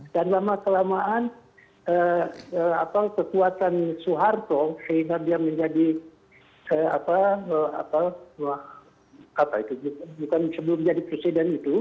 dan lama kelamaan kekuatan soeharto sehingga dia menjadi apa apa apa itu bukan sebelum jadi presiden itu